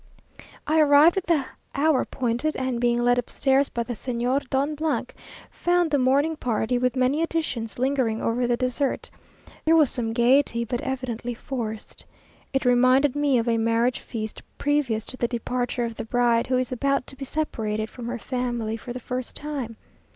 I arrived at the hour appointed, and being led upstairs by the Senator Don , found the morning party, with many additions, lingering over the dessert. There was some gaiety, but evidently forced. It reminded me of a marriage feast previous to the departure of the bride, who is about to be separated from her family for the first time.